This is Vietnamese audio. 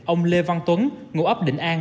ông lê văn tuấn ngủ ấp định an